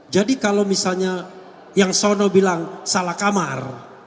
jadi kalau misalnya yang sono bilang salah kamar